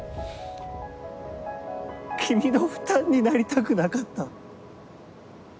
君の負担になりたくなかった。